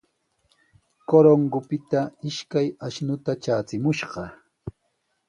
Corongopita ishkay ashnuta traachimushqa.